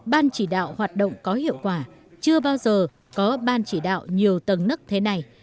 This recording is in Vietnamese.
ban chỉ đạo hoạt động có hiệu quả chưa bao giờ có ban chỉ đạo nhiều tầng nức thế này